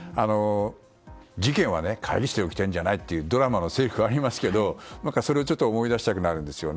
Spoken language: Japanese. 事件は会議室で起きてるんじゃないというドラマのせりふがありますけどそれを思い出したくなるんですよね。